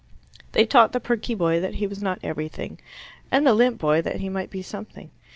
They taught the perky boy that he was not everything, and the limp boy that he might be something.